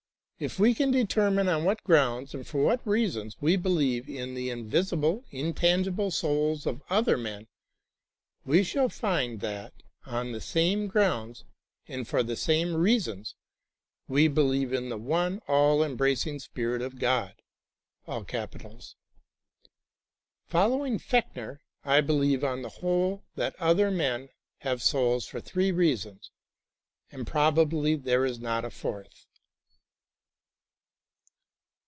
If we can determine on what grounds and for what reasons we beheve in the invisible, intangible souls of other men, we shall find that, on the same grounds and for the same reasons, we believe in the One All embracing Spirit of God. Following Fechner, I believe, on the whole, that other men have souls for three reasons, and probably there is not a fourth.